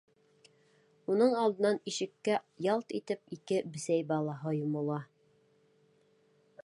Уның алдынан ишеккә ялт итеп ике бесәй балаһы йомола.